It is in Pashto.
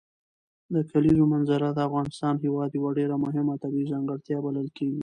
د کلیزو منظره د افغانستان هېواد یوه ډېره مهمه طبیعي ځانګړتیا بلل کېږي.